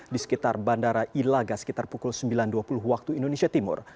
di sekitar bandara ilaga sekitar pukul sembilan dua puluh waktu indonesia timur